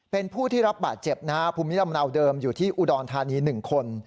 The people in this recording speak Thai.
เป็นผู้ที่รับบาดเจ็บนะฮะภูมิลำเนาเดิมอยู่ที่อุดรธานี๑คน